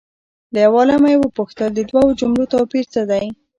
له یو عالمه یې وپوښتل د دوو جملو توپیر څه دی؟